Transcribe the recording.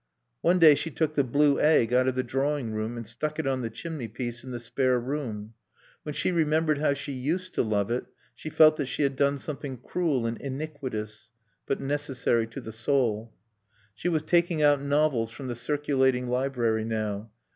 One day she took the blue egg out of the drawing room and stuck it on the chimney piece in the spare room. When she remembered how she used to love it she felt that she had done something cruel and iniquitous, but necessary to the soul. She was taking out novels from the circulating library now.